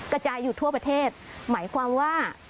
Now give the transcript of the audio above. กระจายอยู่ทั่วประเทศหมายความว่า